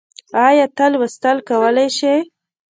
ايا ته لوستل کولی شې؟